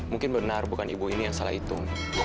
mungkin benar bukan ibu ini yang salah itu